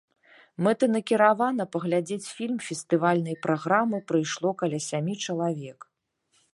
Мэтанакіравана паглядзець фільм фестывальнай праграмы прыйшло каля сямі чалавек.